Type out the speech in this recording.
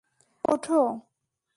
ওঠো, ওঠো!